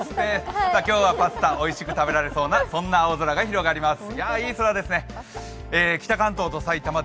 今日はパスタ、おいしく食べられそうな青空が広がります。